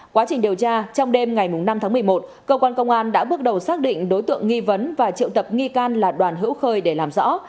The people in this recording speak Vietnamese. quá trình điều tra trong đêm ngày năm tháng một mươi một cơ quan công an đã bước đầu xác định đối tượng nghi vấn và triệu tập nghi can là đoàn hữu khơi để làm rõ